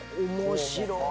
面白い。